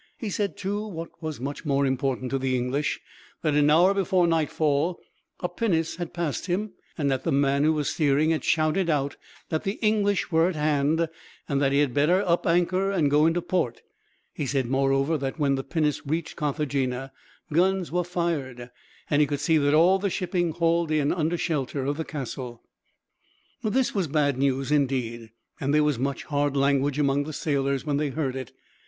He said, too, what was much more important to the English that, an hour before nightfall, a pinnace had passed him, and that the man who was steering had shouted out that the English were at hand, and that he had better up anchor and go into the port. He said, moreover, that when the pinnace reached Carthagena guns were fired, and he could see that all the shipping hauled in under shelter of the castle. This was bad news indeed, and there was much hard language among the sailors, when they heard it.